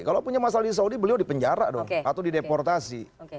kalau punya masalah di saudi beliau dipenjara dong atau dideportasi